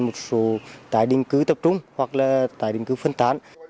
một số tái định cư tập trung hoặc là tái định cư phân tán